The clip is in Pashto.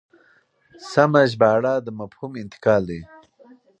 سمه ژباړه د مفهوم انتقال دی.